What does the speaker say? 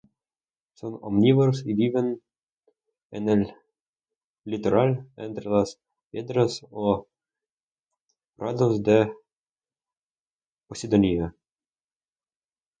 Son omnívoros y viven en el litoral, entre las piedras o prados de "Posidonia".